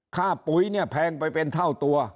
ปุ๋ยเนี่ยแพงไปเป็นเท่าตัว